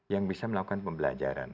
yang bisa melakukan pembelajaran